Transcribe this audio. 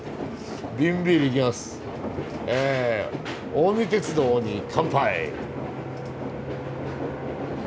近江鉄道に乾杯！